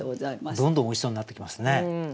どんどんおいしそうになってきますね。